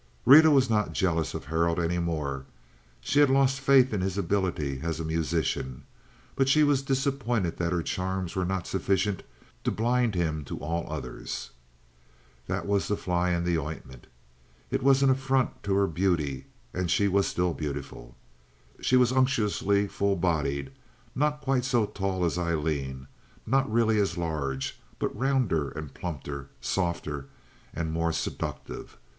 Rita was not jealous of Harold any more; she had lost faith in his ability as a musician. But she was disappointed that her charms were not sufficient to blind him to all others. That was the fly in the ointment. It was an affront to her beauty, and she was still beautiful. She was unctuously full bodied, not quite so tall as Aileen, not really as large, but rounder and plumper, softer and more seductive.